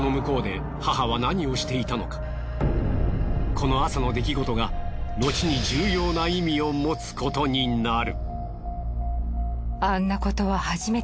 この朝の出来事がのちに重要な意味を持つことになる。